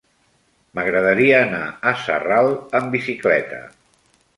M'agradaria anar a Sarral amb bicicleta.